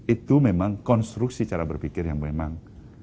itu memang konstruksi cara berpikir yang memang